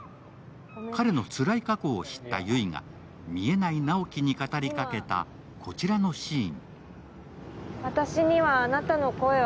彼のつらい過去を知った悠依が見えない直木に語りかけたこちらのシーン。